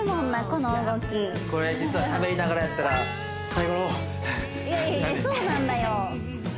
これ実はしゃべりながらやったら最後の方いやいやいやそうなんだよ